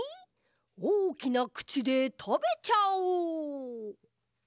おおきなくちでたべちゃおう！